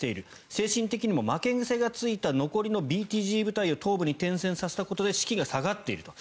精神的にも負け癖がついた残りのＢＴＧ部隊を東部に転戦させたことで士気が下がっていると。